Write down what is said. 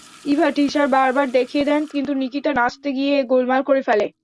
Eva teacher বারবার দেখিয়ে দেন, কিন্তু নিকিতা নাচতে গিয়ে গোলমাল করে ফেলে।